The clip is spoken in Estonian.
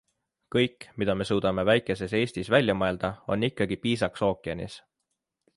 Kõik, mida me suudame väikeses Eestis välja mõelda, on ikkagi piisaks ookeanis.